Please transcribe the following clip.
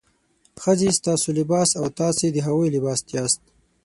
ښځې ستاسو لباس او تاسې د هغوی لباس یاست.